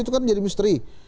itu kan jadi misteri